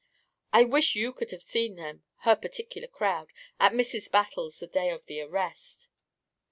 I wish you could have seen them her particular crowd at Mrs. Battle's the day of the arrest.